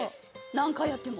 何回やっても。